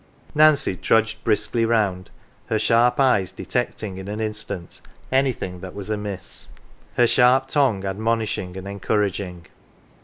Nancy trudged briskly round, her sharp eyes detecting in an instant anything that was amiss ; her sharp tongue admonishing and encouraging.